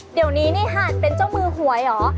เดี๋ยวนี้นี่หาดเป็นเจ้ามือหวยเหรอ